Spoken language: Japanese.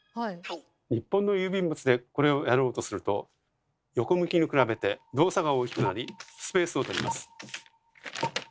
日本の郵便物でこれをやろうとすると横向きに比べて動作が大きくなりスペースを取ります。